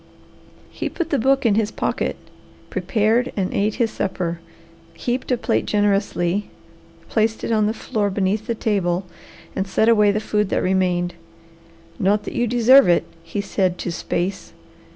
He put the book in his pocket, prepared and ate his supper, heaped a plate generously, placed it on the floor beneath the table, and set away the food that remained. "Not that you deserve it," he said to space.